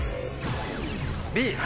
Ｂ。